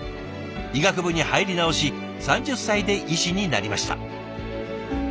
医学部に入り直し３０歳で医師になりました。